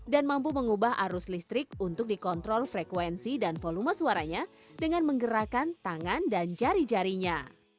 dan mampu mengubah arus listrik untuk dikontrol frekuensi dan volume suaranya dengan menggerakkan tangan dan jari jarinya